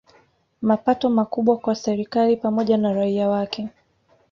Mapato makubwa kwa serikali pamoja na raia wake